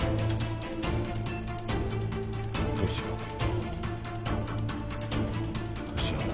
どうしよう。